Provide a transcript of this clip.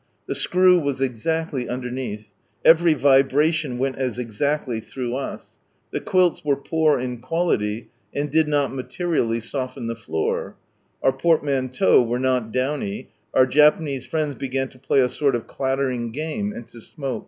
The screw was exactly underneath, every vibration went as exactly through us. The quilts were poor in quality, and did not materially soften the floor. Our portmanteaux were not downy; our Japanese friends began to play a sort of clattering game, and to smoke.